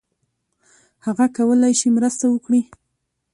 هغه کولای شي مرسته وکړي.